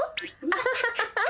アハハハハハハ！